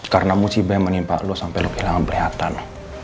karena musibah yang menimpa lo sampai lo kehilangan perhatian